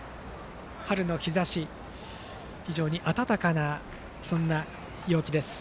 春の日ざし非常に暖かな陽気です。